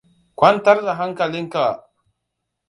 Kwantar da hankalinka!